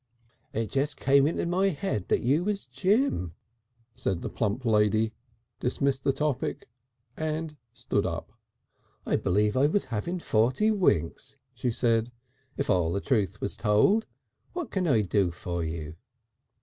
"It just came into my head you was Jim," said the plump lady, dismissed the topic and stood up. "I believe I was having forty winks," she said, "if all the truth was told. What can I do for you?"